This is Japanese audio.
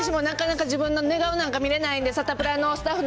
私もなかなか自分の寝顔なんか見れないんで、サタプラのスタッフ